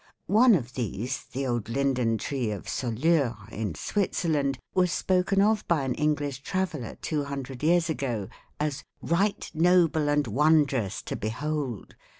One of these, the old linden tree of Soleure, in Switzerland, was spoken of by an English traveler two hundred years ago as 'right noble and wondrous to behold.